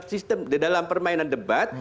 sistem di dalam permainan debat